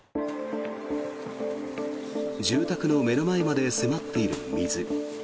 住宅の目の前まで迫っている水。